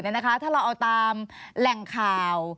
ถ้าเราเอาตามแหล่งข่าว